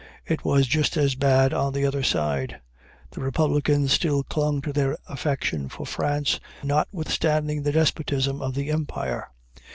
It was just as bad on the other side. The Republicans still clung to their affection for France, notwithstanding the despotism of the empire.